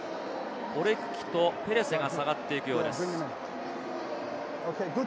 ポレクキとペレセが下がっていくようです。